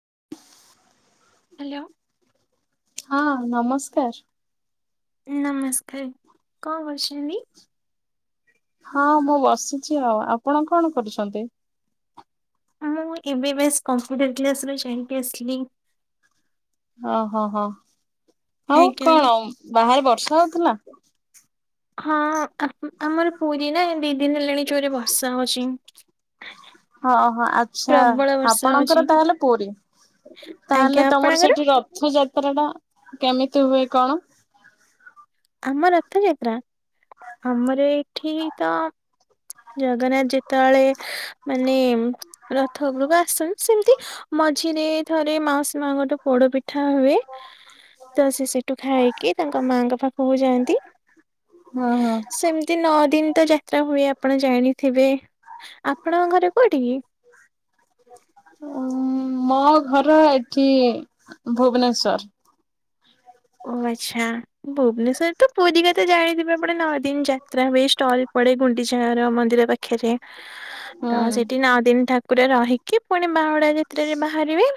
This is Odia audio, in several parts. [unintelligible] ହ୍ୟାଲୋ ହଁ ନମସ୍କାର ନମସ୍କାର କଣ କରୁଛନ୍ତି ହଁ ମୁଁ ବସିଛି ଆଉ ଆପଣ କଣ କରୁଛନ୍ତି ମୁଁ ଏବେ ଏବେ କୋମ୍ପୁଟର କ୍ଲାସ ରୁ ଯାଇକି ଅସିଲି ଓହୋ ହୋ ଆଉ ଆଜ୍ଞା ହଁ କଣ ବାହାରେ ବର୍ଷା ହଉଥିଲା ହଁ ଆମର ପୁରୀ ନା ଦି ଦିନ ହେଲାଣି ଜୋରେ ବର୍ଷା ହଉଛି ହଁ ହଁ ଆଚ୍ଛା ପ୍ରବଳ ବର୍ଷା ହଉଛି। ଆପଣଙ୍କର ତାହେଲେ ପୁରୀ ଆଜ୍ଞା ତାହେଲେ ତମର ଆପଣଙ୍କର? ସେଠି ରଥ ଯାତ୍ରା ଯାତ୍ରା ଟା କେମିତି ହୁଏ କଣ ଆମ ରଥଯାତ୍ରା ଆମର ଏଇଠି ତ ଜଗନ୍ନାଥ ତେବେଳେ ମାନେ ରଥ ଉପରକୁ ଆସନ୍ତୁ ସେମତି ମଝିରେ ଥରେ ମାଉସୀ ମା ଙ୍କ ଠୁ ପୋଡପିଠା ଉଠା ହୁଏ ତ ସେ ସେଠୁ ଖାଇକି ତାଙ୍କ ମାଙ୍କ ପାଖକୁ ଯାଆନ୍ତି ହୁଁ ସେମିତି ନଅ ଦିନ ତ ଯାତ୍ରା ହୁଏ ଆପଣ ଜାଣିଥିବେ ଆପଣଙ୍କର ଘର କୁଉଠ କି ହୁଁ ମୋ ଘର ଏଠି ଭୁବନେଶ୍ୱର ଓ ହ ଆଚ୍ଛା ଭୁବନେଶ୍ୱର ତ ପୁରି କଥା ତ ଜାଣିଥିବେ ଆପଣ ନଅ ଦିନ ଯାତ୍ରା ହୁଏ ଷ୍ଟଲ ପଡେ ଗୁଣ୍ଡି ର ମନ୍ଦିର ପାଖରେ ତ ହୁଁ ସେଠି ନଅ ଦିନ ଠାକୁର ରହିକି ପୁଣି ବାହୁଡା ଯାତ୍ରରେ ବାହାରିବେ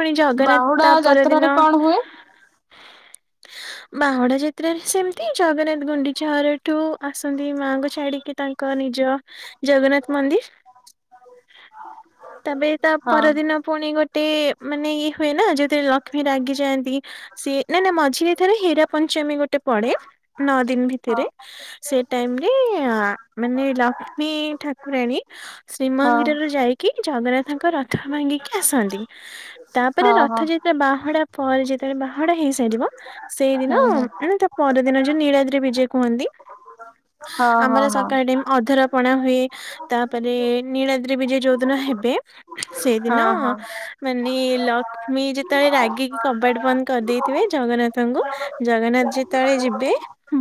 ପୁଣି ଜଗନ୍ନାଥ ବାହୁଡା ତା ଯାତ୍ରାରେ ପରଦିନ କଣ ହୁଏ? [inaudible] ବାହୁଡା ଯାତ୍ରାରେ ସେମତି ଜଗନ୍ନାଥ ଗୁଣ୍ଡିଚା ଘରଠୁ ଆସନ୍ତି ମାଆଙ୍କୁ ଛାଡିକି ତାଙ୍କ ଙ୍କ ନିଜ ଜଗନ୍ନାଥ ମନ୍ଦିର ତାବେ ତା ହଁ ପରଦିନ ପୁଣି ଗୋଟେ ମାନେ ଇଏ ହୁଏ ନା ଯଦି ଯଦି ଲକ୍ଷ୍ମୀ ରାଗି ଯାଆନ୍ତି ସିଏ ନାଇ ନା ମଝିରେ ଥରେ ହୀରା ପଞ୍ଚମୀ ଗୋଟେ ପଡେ ନଅ ଦିନ ଭିତରେ ସେ ଟାଇମ ରେ ମାନେ ଲକ୍ଷ୍ମୀ ଠାକୁରାଣୀ ହଁ ଶ୍ରୀମନ୍ଦିରରେ ଯାଇକି ଜଗନ୍ନାଥ ତାଙ୍କ ରଥ ଭାଙ୍ଗିକି ଆସନ୍ତି ତାପରେ ହଁ ରଥ ହଁ ଯେତେବେଳେ ବାହଡା ପରେ ଯେତେବେଳେ ବା ଘଡା ହେଇସାରିବ ସେଇଦିନ ହୁଁ ହୁଁ ମ ତା ପରଦିନ ଯୋଉ ନୀଳାଦ୍ରି ବିଜେ କୁହନ୍ତି ହଁ ହଁ ଆମର ହଁ ସକାଳେ ଟାଇମ ଅଧର ପଣା ହୁଏ ତାପରେ ନୀଳଦ୍ରି ବିଜେ ଯୋଉଦିନ ହେବେ ସେଇଦିନ ହଁ ହଁ ମାନେ ଲକ୍ଷ୍ମୀ ଯେତେବେଳେ ରାଗିକି କବାଟ ବନ୍ଦ କରିଦେଇଥିବେ ଜଗନ୍ନାଥଙ୍କୁ ଜଗନ୍ନାଥ ଯେତେବେଳେ ଯିବେ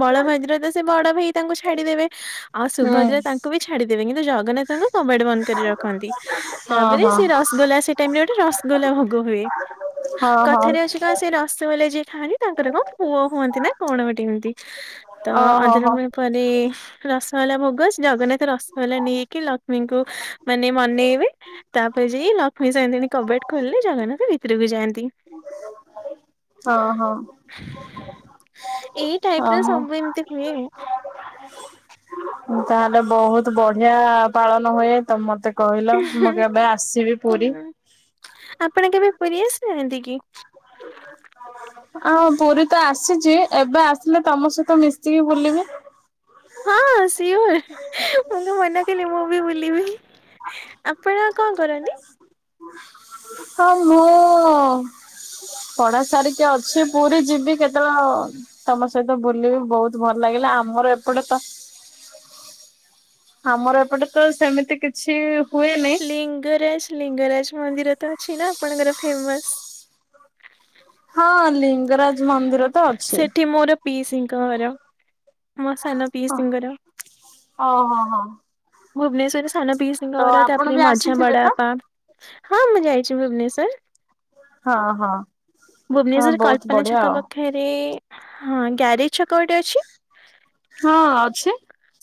ବଳଭଦ୍ର ତ ସେ ବଡ ଭାଇ ତାଙ୍କୁ ଛାଡିଦେବେ ଆଉ ସୁଭଦ୍ରା ତାଙ୍କୁ ବି ଛାଡିଦେବେ କିନ୍ତୁ ଜଗନ୍ନାଥଙ୍କୁ କବାଟ ବନ୍ଦ କରି ରଖନ୍ତି ହୁଁ ହଁ ତାପରେ ହଁ ସେ ରସଗୋଲା ସେ ଟାଇମ ରେ ଗୋଟେ ରସଗୋଲା ଭୋଗ ହୁଏ ହଁ ହଁ କଥାରେ ଅଛି କଣ ସେ ରସଗୋଲା ଯିଏ ଖାଆନ୍ତି ତାଙ୍କର କଣ ପୁଅ ହୁଅନ୍ତି ନା କଣ ଗଟେ ଏମିତି ତ ଓହୋ ହୋ ଆଦରବୁଲ ପରେ ରସଗୋଲା ଭୋଗ ଜଗନ୍ନାଥ ରସଗୋଲା ନେଇକି ଲକ୍ଷ୍ମୀଙ୍କୁ ମାନେ ମନେଇବେ ତା ଯାଇ ଲକ୍ଷ୍ମୀ ସାନ୍ତାଣି କବାଟ ଖୋଲିଲେ ଜଗନ୍ନାଥ ଭିତରକୁ ଯାଆନ୍ତି ହଁ ହଁ ଏଇ ଟାଇପରେ ଓହୋ। ସବୁ ଏମିତି ହୁଏ ମୁ ତାହେଲେ ବହୁତ ବଢିଆ ପାଳନ ହୁଏ ତ ମତେ କହିଲ ମୁଁ କେବେ ଆସିବି ପୁରୀ ହୁଁ ଏନ୍ତିକି ହଁ ପୁରୀ ତ ଆସିଛି ଏବେ ଆସିଲେ ତମ ସହିତ ମିଶିକି ବୁଲିବି ହି ମୁଁ କଣ ମନା କଲି ମୁଁ ବି ବୁଲିବି। ଆପଣ କଣ କରନ୍ତି? ହ ମୁଁ-ଉ-ଉ-ଉ ପଢା ସାରିକି ଅଛି ପୁରୀ ଯିବି କେତେବେଳେ ତମ ସହିତ ବୁଲିବି। ବହୁତ ଭଲ ଲାଗିଲା ହେଲେ ଆମର ଏପଟେ ପା ଆମର ଏପଟେ ତ ସେମିତି କିଛି-ଇ-ଇ ଲିଙ୍ଗରାଜ ଲିଙ୍ଗରାଜ ମନ୍ଦିର ତ ଅଛି ନା ଆପଣଙ୍କର ଫେମସ। ହଁ ଲିଙ୍ଗରାଜ ମନ୍ଦିର ତ ଅଛି। ସେଠି ମୋର ପିଇସିଙ୍କ ଘର। ମୋ ସାନ ପିଇସିଙ୍କର, ଓହୋ ହୋ ଭୁବନେଶ୍ଵରେ ସାନ ପିଇସିଙ୍କ ତ ଘର ଆପଣ ତାପରେ ବି ମାଝିଆ ଆସିଥିବେ ବଡ଼ ତ? ବାପା। ହଁ ମୁଁ ଯାଇଛି ଭୁବନେଶ୍ଵର। ହଁ ହଁ ହଁ ବହୁତ ମାନେ ବଢିଆ ଛକ ଆଉ ପାଖରେ ହଁ ଗ୍ୟାରେଜ ଛକ ଗୋଟେ ଅଛି। ହଁ ଅଛି।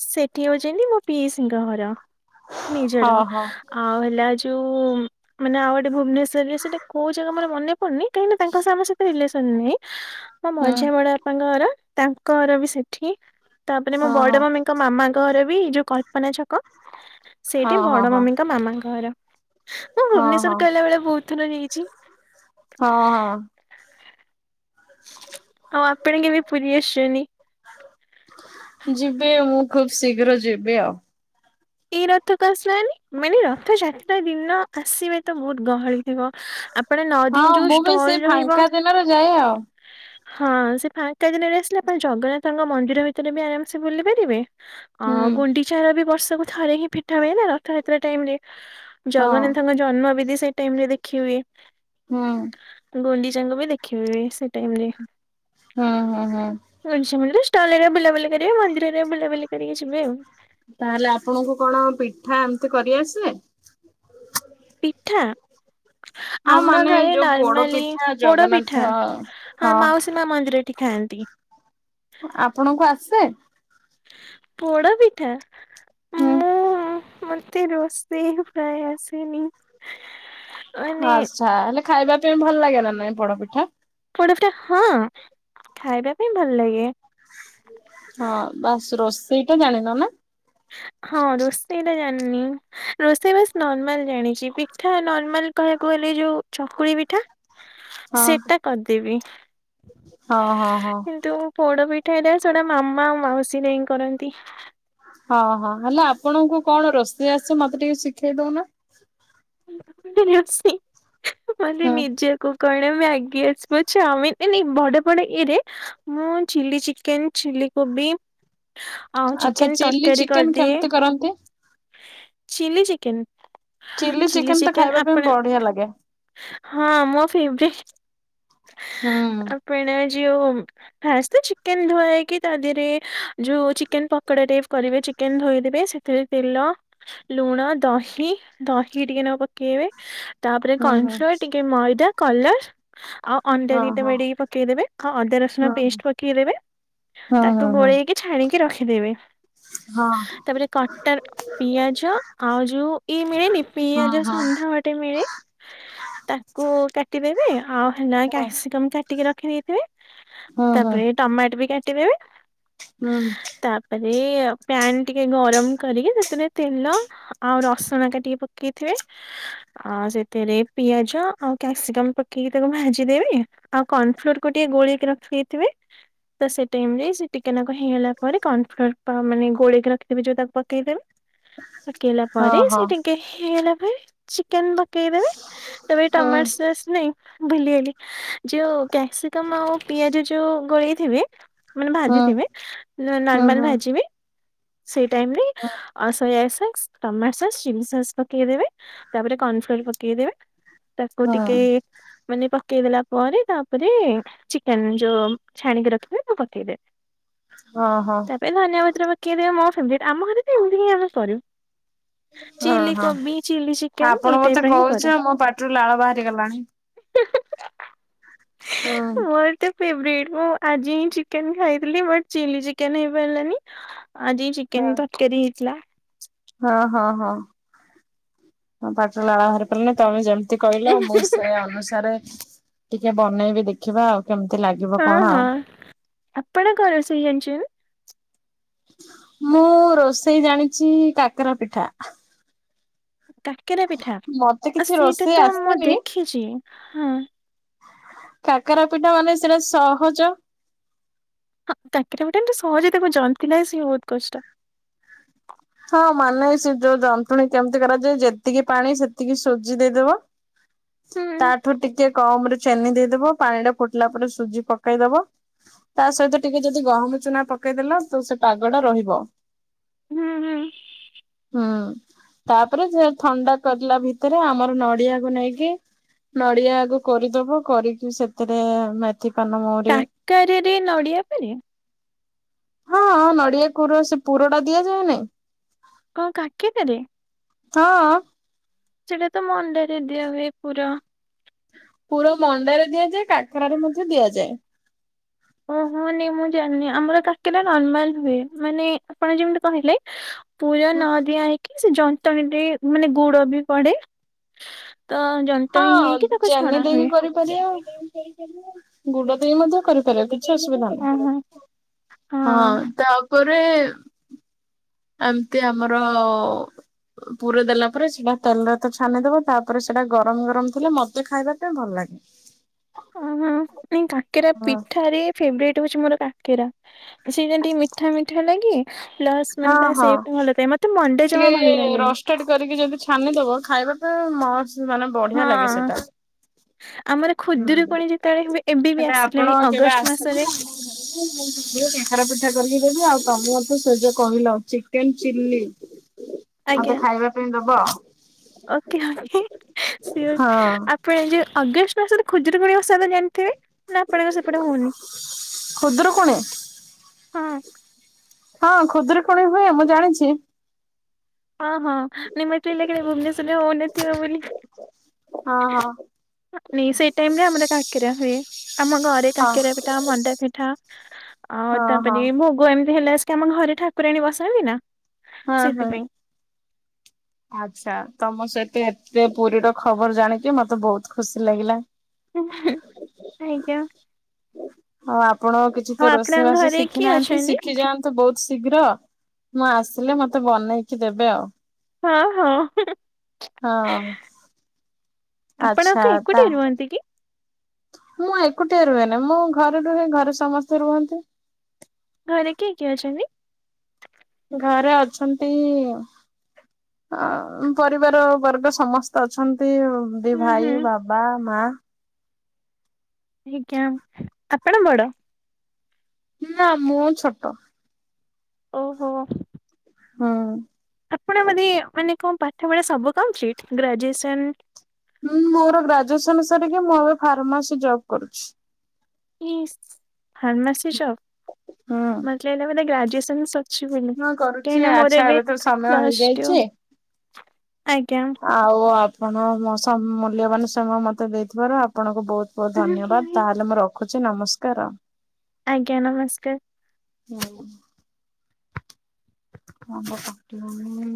ସେଠି ହଉଛନ୍ତି ମୋ ପିଇସିଙ୍କ ଘର ନିଜର ହଁ ହଁ ଆଉ ହେଲା ଯ ଉ-ଉ-ଉ ମାନେ ଆଉ ଗୋଟେ ଭୁବନେଶ୍ୱରରେ ସେଟା କଉ ଜାଗା ମୋର ମନେ ପଡୁନି। କାହିକି ନା ତାଙ୍କ ସହ ଆମ ରିଲେ [unintelligible] ମୋ ହୁଁ ମଝିଆ ବଡ ବାପାଙ୍କ ଘର ତାଙ୍କ ଘର ବି ସେଠି। ତାପରେ ମୋ ହଁ ହଁ ବଡ ମମିଙ୍କ ମାମାଙ୍କ ଘର ବି ଯୋ କଳ୍ପନା ଛକ। ସେଇଠି ହଁ ହଁ ବଡ ହଁ ମମିଙ୍କ ମାମାଙ୍କ ଘର। ମୁଁ ହଁ ହଁ ଭୁବନେଶ୍ଵର କହିଲା ବେଳେ ବହୁତ ଥର ଯାଇ ଚି, ହଁ ହଁ। ଆଉ ଆପଣ କେବେ ପୁରୀ ଆସିଛନ୍ତି? ଯିବେ ମୁଁ ଖୁବ୍ ଶୀଘ୍ର ଯିବି ଆଉ। ଏଇ ରଥକୁ ଆସିଲାନି, ମାନେ ରଥଯାତ୍ରା ଦିନ ଆସିବେ ତ ବହୁତ ଗହଳି ଥିବ। ଆ ଆପଣ ନଅ ହଁ ଦିନ ଯୋଉ ମୁଁ ବି ଷ୍ଟଲ ସେ ରହିବ ଫାଙ୍କା ଦିନରେ ଯାଏ ଆଉ ହଁ ସେ ଫାଙ୍କା ଦିନରେ ଆସିଲେ ଆପଣ ଜଗନ୍ନାଥଙ୍କ ମନ୍ଦିର ଭିତରେ ବି ଆରାମସେ ବୁଲି ପାରିବେ। ଅ ହୁଁ ଗୁଣ୍ଡିଚା ର ବି ବର୍ଷକୁ ଥରେ ହିଁ ଫିଟା ହୁଏ ନା ରଥଯାତ୍ରା ଟାଇମ ରେ। ହଁ ଜଗନ୍ନାଥଙ୍କ ଜନ୍ମ ବିଧି ସେଇ ଟାଇମ ରେ ଦେଖି ହୁଏ। ହଁ। ଗୁଡିଚାକୁ ବି ଦେଖି ହୁଏ ସେଇ ଟାଇମ୍ ରେ। ହ ହ ହଁ। ତଳେରେ ବୁଲାବୁଲି କରିବେ ମନ୍ଦିରରେ ବୁଲାବୁଲି କରିକି ଯିବେ ଆଉ। ତାହେଲେ ଆପଣଙ୍କୁ କଣ ପିଠା ଏମିତି କରିଆସେ? ଠା ହଁ ଆମ ମାନେ ଘରେ ଯୋଉ ପୋଡ ନର୍ମାଲି ପିଠା ପୋଡ ପିଠା ଜଗନ୍ନାଥ ଆ ହଁ ମାଉସୀ ମା ମନ୍ଦିର ଖାଆନ୍ତି, ଆପଣଙ୍କୁ ଆସେ? ପୋଡ଼ ପିଠା? ହୁଁ, ମୁଁ ମତେ ରୋଷେଇ ହି ପ୍ରାୟ ଆସେନି। ମାନେ ଆଛା ହେଲେ ଖାଇବା ପାଇଁ ଭଲ ଲାଗେ ନା ନାଇଁ ପୋଡପିଠା? ପୋଡପଠା ହଁ ଖାଇବା ପାଇଁ ଭଲ ଲାଗେ। ହଁ ବାସ୍ ରୋଷେଇଟା ଜାଣିନ ନା? ହଁ ରୋଷେଇ ଟା ଜାଣିନି। ରୋଷେଇ ବାସ୍ ନର୍ମାଲ ଜାଣିଛି। ପିଠା ନର୍ମାଲ କ କହିବାକୁ ଗଲେ ଯୋଉ ଚକୁଳି ପିଠା ହଁ ସେଟା କରିଦେବି। ହଁ ହଁ ହଁ। କିନ୍ତୁ ପୋଡ ପିଠା ଟ ସେଟା ମାମା ମାଉସୀ ନେଇ କରନ୍ତି। ହଁ ହଁ ହେଲେ ଆପଣଙ୍କୁ କଣ ରୋଷେଇ ଆସେ ମତେ ଟିକେ ଶିଖେଇ ଦଉନ। ରୋଷେଇ ମାନେ ହୁଁ ନିଜକୁ କଣ ମ୍ୟାଗି ଆସିବ, ଚାଓମିନ, ନାଇ ନାଇ ଏ ବଡ ବଡ ଇଏରେ ମୁଁ ଚିଲି ଚିକେନ, ଚିଲି କୋବି ଆ ଆଚ୍ଛା ଚିକେନ ଚିଲି ତରକାରୀ ଚିକେନ କରିଦିଏ। କେମିତି କରନ୍ତି? Chilli chicken. Chilli chilli chicken ତ ଚିକେନ୍ ଖାଇବା ପାଇଁ ଆପଣ ବଢିଆ ଲାଗେ ହଁ, ମୋ ଫେଭରାଇଟ୍। ହୁଁ ଆ ଆପେଣ ଯେଉ ଫାଷ୍ଟ ତ ଚିକେନ୍ ଧୁଆହେଇକି, ତା ଦେହରେ ଯୋଉ ଚିକେନ୍ ପକୋଡ଼ା ଟିପ୍ କରିବେ ଚିକେନ୍ ଧୋଇଦେବେ, ସେଥିରେ ତେଲ, ଲୁଣ, ଦହି, ଦହି ଟିକେ ନାଗୁ ପକେଇ ପକେଇବେ, ତାପରେ ହୁଁ ହୁଁ। କର୍ଣ୍ଣଫ୍ଲୋର୍, ଟିକେ ମଇଦା, କଲର ଆଉ ଅଣ୍ଡା ହଁ ଦିଟା ହଁ ମେଡେଇକି ପକେଇଦବେ, ଆଉ ଅଦା ରସୁଣ ହଁ ପେଷ୍ଟ ପକେଇଦବେ ହଁ ହଁ ତାକୁ ହଁ ଗୋଳେଇକି ଛାଣିକି ରଖିଦେବେ। ହଁ। ତାପରେ କଟା ର ପିଆଜ, ଆଉ ଯୋଉ ଇଏ ମିଳେନି ହଁ ପିଆଜ ହଁ ଶଣ୍ଢା ଗୋଟେ ମିଳେ ତାକୁ କାଟିଦେବେ, ଆଉ ନାହିଁ ହଁ କ୍ୟାସିକମ୍ କାଟିକି ରଖିଦେଇଥିବେ, ହଁ ହଁ ତାପରେ ଟମାଟ ବି କାଟିଦେବେ ହୁଁ। ଏଇ ପ୍ୟାନ୍ ଟିକେ ଗରମ କରିକି, ସେଥିରେ ତେଲ ଆଉ ରସୁଣ କାଟିକି ପକେଇଥିବେ ଆ ସେଥିରେ ପିଆଜ ଆଉ କ୍ୟାପସିକମ୍ ପକେଇକି ତାକୁ ଭାଜିଦେବି, ଆଉ କର୍ଣ୍ଣଫ୍ଲୋରକୁ ଟିକେ ଗୋଳେଇକି ରଖିେଦେଇଥିବେ ତ ସେ ଟାଇମରେ ସେ ଟିକେ ନାକୁ ହେଇଗଲା ପରେ, କନଫ୍ଲୋର ପା ମାନେ ଗୋଳେଇକି ରଖିଥିବେ ଯୋଉ ତାକୁ ପକେଇ ଦେବେ ପକେଇଲା ହଁ ପରେ, ହଁ ହୁଁ। ସିଏ ଟିକେ ହେଇଗଲା ପରେ ଚିକେନ ଦ ପକେଇଦେବେ, ତେବେ ଏଇ ଟମାଟ ସସ୍ ନେଇ ଭୁଲିଗଲି, ଯୋଉ କ୍ୟାପସିକମ ଆଉ ପିଆଜ ଯୋଉ ଗୋଳେଇଥିବେ ମାନେ ହୁଁ ହୁଁ ଭାଜୁଥିବେ, ହୁଁ ନର୍ମାଲ ହୁଁ ଭାଜିବେ, ସେଇ ଟାଇମରେ ଆଉ ସୋୟା ସ ସକ୍ସ, ଟମାଟୋ ସସ୍, ଚିଲ୍ଲି ସସ୍ ପକେଇଦବେ, ତାପରେ କର୍ନଫ୍ଲୋର ପକେଇଦବେ ତାକୁ ଟିକେ ହଁ ମାନେ ପକେଇଦେଲା ପରେ ତାପରେ, ଚିକେନ ଯୋଉ ଛାଣିକି ରଖିଥିବେ ପୁଣି ପକେଇଦବେ। ହଁ ତା ପରେ ଧନିଆ ପତ୍ର ପକେଇ ଦେବେ, ମୋ ଫେବରାଇଟ୍। ଆମ ଘରେ ବି ଏମତି କାଇଁ ଆମେ କରିବୁ ହ ଓହୋ। ଚିକେନ ଏଇ ଆପଣ ଟାଇପ ମତେ ର ହିଁ କହୁଛ, କରୁ। ମୋ ପାଟିରୁ ଲାଳ ବାହାରି ଗଲାଣି। ହଁ। ଫେବରାଇଟ୍। ମୁଁ ଆଜି ହିଁ ଚିକେନ ଖାଇଥିଲି ବଟ୍ ଚିଲ୍ଲି ଚିକେନ ହେଇପାରିଲାନି। ଆଜି ଚିକେନ ତରକାରୀ ହେଇଥିଲା। ହଁ-ହଁ-ହଁ। ହଁ ପାଟିରୁ ଲାଳ ବାହାରି ପରିଲାନି ତମେ ଯେମ ତି କହିଲ, ମୁଁ ସେୟା ଅନୁସାରେ ଟିକେ ବନେଇବି ଦେଖିବା ଆଉ। କେମତି ଲାଗିବ ହଁ କଣ ହଁ ଆଉ। ଆପଣଙ୍କ ରୋଷେଇ ଜାଣିଛନ୍ତି ନା? ମୁଁ ରୋଷେଇ ଜାଣିଛି କାକରା ପିଠା। କାକେରା ପିଠା, ମତେ ଆ କିଛି ସେଇଟା ରୋଷେଇ ତ ମୁଁ ଆସେନି ଦେଖିଛି। ହଁ। କାକେରା ପିଠା ମାନେ ସେଇଟା ସହଜ ହଁ କାକେରା ପିଠା ଏମତି ସହଜ ହେଇଥାଏ, ତାକୁ ଯନ୍ତିଲେ ସିଏ ବହୁତ କଷ୍ଟ। ହଁ ମାନେ ସେ ଯୋଉ ଯନ୍ତୁଣି କେମତି କରାଯାଏ? ଯେତିକି ପାଣି ସେତିକି ସୁଜି ଦେଇଦବ ହୁଁ ତାଠୁ ଟିକେ କମରେ ଚେନି ଦେଇଦବ, ପାଣିଟା ଫୁଟିଲା ପରେ, ସୁଜି ପକେଇଦବ ତାସହିତ ଟିକେ ଯଦି ଗହମ ଚୁନା ପକେଇଦେଲ, ତ ସେ ପାଗଟା ରହିବ। ହୁଁ ହୁଁ ହଁ ତାପରେ ସେ ଥଣ୍ଡା କରିଲା ଭିତରେ, ଆମର ନଡିଆକୁ ନେଇକି ନଡିଆ ଆଗ କୋରିଦବ, କୋରିକି ସେଥେରେ ମା କାକାରାରେ ନଡିଆ ପରେ? ହଁ, ନଡିଆ କୁର ସେ ପୁରଟା ଦିଆଯାଏ ନାଇଁ। କଣ କାକେରାରେ? ହଁ। ସେଇଟା ତ ମଣ୍ଡାରେ ଦିଆ ହୁଏ ପୁର। ପୁର ମଣ୍ଡାରେ ଦିଆଯାଏ। କାକରାରେ ମଧ୍ୟ ଦିଆଯାଏ। [inaudible] ହଁ ନାଇଁ ମୁଁ ଜାଣିନି, ଆମର କାକେରା ନର୍ମାଲ ହୁଏ। ମାନେ ଆପଣ ଯେମତି କହିଲେ ପୁର ନଦୀଆ ହେଇକି ସେ ଯନ୍ତଣୀ ଦେଇ ମାନେ ଗୁଡ ବି ପଡେ। ତ ହଁ ଯନ୍ତଣୀ ହେଇକି ତାକୁ ଚିନି ଛଣା ଦେଇକି ହୁଏ କରିପାରିବେ [unintelligible] ଗୁଡ ଦେଇକି ମଧ୍ୟ କରିପାରିବା କିଛି ଅସୁବିଧା ନାହିଁ ଓହୋ ହଁ ତା ଉପ ଉପରେ ଏମିତି ଆମର ପୁର ଦେଲା ପରେ ସେଟା ତେଲରେ ତ ଛାନିଦବ ତାପରେ ସେଟା ଗରମ ଗରମ ଥିଲେ ମତେ ଖାଇବା ପାଇଁ ଭଲ ଲାଗେ। [inaudible] ଓ ହୁଁ କାକେରା ହଁ। ପିଠାରେ ଫେବରେଟ ହଉଛି ମୋର କାକେରା। ସେ ଯେମିତି ମିଠା ମିଠା ଲାଗେ ପ୍ଲସ ମାନେ ହଁ ତ ହଁ। ସେପ୍ ଭଲ ଥାଏ ମତେ ମଣ୍ଡା ଜମା ଭଲ ଲାଗେନି ମାନିଦବ ଖାଇବା [unintelligible] ପାଇଁ ମସତ ମାନେ ବଢିଆ ଲାଗେ ହଁ ସେଟା ଆମର ହୁଁ। ଖୁଦରୁକୁଣୀ ଯେତେବେଳେ ହୁଏ ଏବେ ବି ହେଲେ ଆପଣ ଆସିଲାଣି କେବେ ଅଗଷ୍ଟ ଆସିଲେ ମାସରେ [unintelligible] କାକରା ପିଠା କରିକି ଦେବି ଆଉ ତମେ ମତେ ସେଯୋଉ କହିଲ ଚିକେନ ଚିଲ୍ଲି ମତେ ଆଜ୍ଞା ଖାଇବା ପାଇଁ ଦବ ଓକେ ଓକେ ସିଓର ହଁ। ଆପଣ ଯୋଉ ଅଗଷ୍ଟ [unintelligible] ଖୁଦରୁକୁଣୀ ଓଷା ତ ଜାଣିଥିବେ ନା ଆପଣଙ୍କ ର ସେପଟେ ହୋଉନି ଖୁଦୁରୁକୁଣୀ ହଁ? ହଁ ଖୁଦୁରୁକୁଣୀ ହୁଏ ମୁଁ ଜାଣିଛି। ହଁ ହଁ ନା ମତେ ଟିକେ ଲାଗିଲା କାଳେ ଭୁବନେଶ୍ୱରରେ ହୋଉନଥିବ ବୋଲି ହଁ ହଁ [unintelligible] ସେଇ ଟାଇମ ରେ ଆମର କାକେରା ହୁଏ। ଆମ ଘରେ ହଁ କାକେରା ପିଠା ମଣ୍ଡା ପିଠା ଆଉ ହଁ ହଁ। ତାପରେ ଭୋଗ ଏମିତି ହେଲେ ଆସିକି ଆମ ଘରେ ଠାକୁରାଣୀ ବଶାନ୍ତି ନା ହଁ ହଁ। ସେଥିପାଇଁ। ଆଛା ତମ ସହିତ ଏବେ ପୁରୀର ଖବର ଜାଣିକି ମତେ ବହୁତ ଖୁସି ଲାଗିଲା। ଆଜ୍ଞା। ଆଉ ଆପଣ କିଛି ଆଉ ତ ଆପଣଙ୍କ ରୋଷେଇବାସ ଘରେ ଶିଖି କିଏ ନାହାନ୍ତି ଅଛନ୍ତି? ଶିଖି ଯାଆନ୍ତୁ ବୋହୁତ ଶୀଘ୍ର ମୁଁ ଆସିଲେ ମତେ ବନେଇକି ଦେବେ ଆଉ। ହଁ ହଁ। ହଁ ଆପଣ ଆଚ୍ଛା କ ତା ଏକୁଟିଆ ରୁହନ୍ତି କି? ମୁଁ ଏକୁଟିଆ ରୁହେନା ମୁଁ ଘରେ ରୁହେ ଘରେ ସମସ୍ତେ ରୁହନ୍ତି ଘରେ କିଏ କିଏ ଅଛନ୍ତି? ଘରେ ଅଛନ୍ତି ଅ ପରିବାର ବର୍ଗ ସମସ୍ତେ ଅଛନ୍ତି ଦି ହୁଁ ହୁଁ ଭାଇ ବାବା ମା [unintelligible] ଆଜ୍ଞା ଆପଣ ବଡ? ନା ମୁଁ ଛୋଟ। ଓହୋ ହୁଁ। ଆପଣ [unintelligible] ମାନେ କଣ ପାଠ ପଢା ସବୁ କମ୍ପିଲଟ ଗ୍ରାଜୁଏସନ ହୁଁ ମୋର ଗ୍ରାଜୁଏସନ ସାରିକି ମୁଁ ଏବେ ଫାର୍ମାସି ଜବ୍ କରୁଛି। ଇଶ୍ ଫାର୍ମସି ଜବ୍ ହୁଁ। ମତେ ଲାଗିଲା ବୋଧେ ଗ୍ରାଜୁଏସନ୍ ସ [unintelligible] ହଁ କରୁଛି କାହିଁକିନା ଆଚ୍ଛା ମୋର ଏବେ ତ ସମୟ ପ୍ଲସଟୁ ହେଇଯାଇଛି। ଆଉ ଆପଣମୋ ମୋ ସମ୍ ମୂଲ୍ୟବାନ ସମୟ ମତେ ଦେଇଥିବାରୁ ଆପଣଙ୍କୁ ବୋହୁତ ବହୁତ ଧନ୍ୟବାଦ ତାହେଲେ ମୁଁ ରଖୁଛି ନମସ୍କାର ଆଉ ଆଜ୍ଞା ନମସ୍କାର। ହଁ [inaudible] ହଁ [inaudible] ଟୀବନି